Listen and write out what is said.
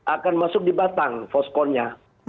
akan masuk di batang foskonnya